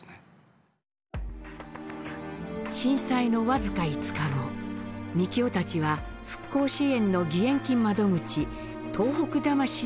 震災の僅か５日後みきおたちは復興支援の義援金窓口「東北魂」を設立。